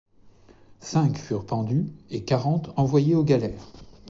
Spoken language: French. Cinq furent pendus, et quarante envoyés aux galères.